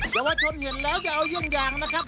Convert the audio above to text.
ชาวชนเห็นแล้วจะเอายื่นอย่างนะครับ